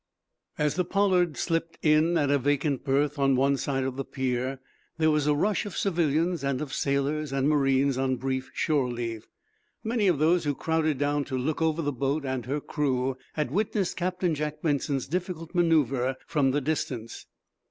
As the "Pollard" slipped in at a vacant berth on one side of the pier, there was a rush of civilians, and of sailors and marines on brief shore leave. Many of those who crowded down to look over the boat and her crew had witnessed Captain Jack Benson's difficult manoeuvre from the distance.